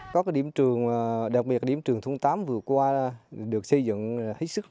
có cái điểm trường đặc biệt là điểm trường thôn tám vừa qua được xây dựng hít sức